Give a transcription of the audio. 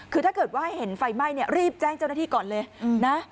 คือถ้าเกิดว่าเห็นไฟไหม้เนี่ยรีบแจ้งเจ้าหน้าที่ก่อนเลยนะ